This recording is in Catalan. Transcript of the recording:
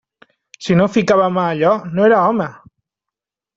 Si no ficava mà a allò, no era home!